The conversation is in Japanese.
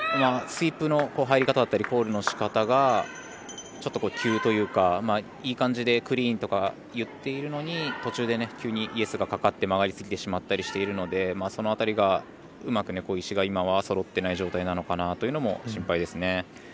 スイープの入り方だったりがちょっと急というかいい感じでクリーンとか言っているのに途中で急にイエスがかかって曲がりすぎてしまったりしているのでその辺りが、うまく石がそろってない状態なのかなというのも心配です。